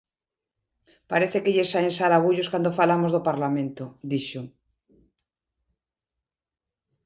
"Parece que lle saen sarabullos cando falamos do Parlamento", dixo.